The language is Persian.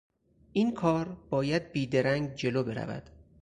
این کار باید بیدرنگ جلو برود.